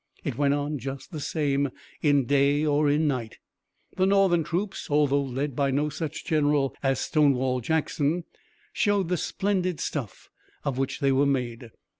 It went on just the same in day or in night. The Northern troops, although led by no such general as Stonewall Jackson, showed the splendid stuff of which they were made.